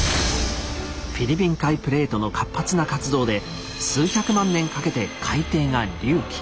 フィリピン海プレートの活発な活動で数百万年かけて海底が隆起。